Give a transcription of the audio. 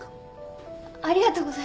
ありがとうございます。